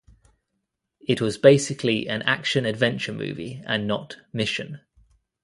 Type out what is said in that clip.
It was basically an action-adventure movie and not "Mission".